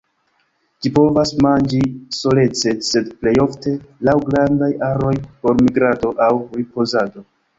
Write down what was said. Ĝi povas manĝi solece sed plej ofte laŭ grandaj aroj por migrado aŭ ripozado.